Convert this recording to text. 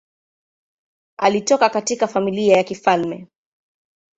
Alitoka katika familia ya kifalme.